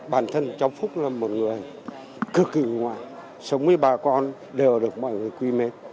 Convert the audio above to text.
bản thân cháu phúc là một người cực kỳ mà sống với bà con đều được mọi người quý mến